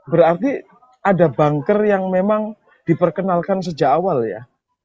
berarti ada banker yang memang diperkenalkan sejak awal ya